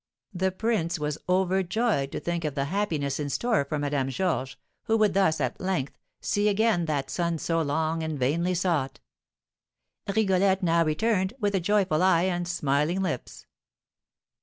The prince was overjoyed to think of the happiness in store for Madame Georges, who would thus, at length, see again that son so long and vainly sought. Rigolette now returned, with a joyful eye and smiling lips.